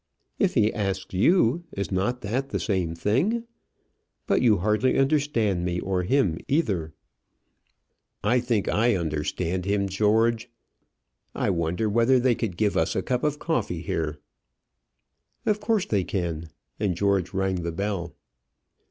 "If he asks you; is not that the same thing? But you hardly understand me, or him either." "I think I understand him, George. I wonder whether they could give us a cup of coffee here?" "Of course they can:" and George rang the bell.